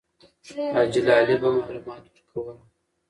حاجي لالی به معلومات ورکول.